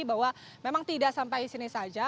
bahwa memang tidak sampai sini saja